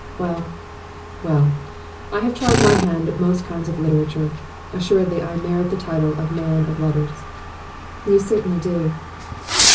Well, well; I have tried my hand at most kinds of literature. Assuredly I merit the title of man of letters.' 'You certainly do.